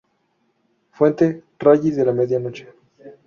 Fuente: Rally de la Media Noche